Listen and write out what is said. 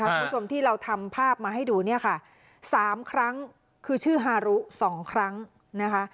คุณผู้ชมที่เราทำภาพมาให้ดูเนี่ยค่ะสามครั้งคือชื่อฮารุสองครั้งนะคะ